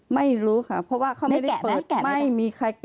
ไม่รู้ค่ะเกะไหม